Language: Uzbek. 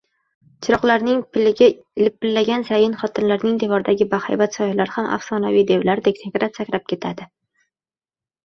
Chiroqlarning piligi lipillagan sayin xotinlarning devordagi bahaybat soyalari ham afsonaviy devlardek sakrab-sakrab ketadi.